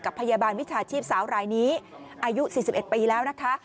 พยาบาลวิชาชีพสาวรายนี้อายุ๔๑ปีแล้วนะคะ